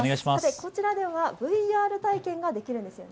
こちらではＶＲ体験ができるんですよね。